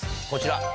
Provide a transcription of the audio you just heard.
こちら。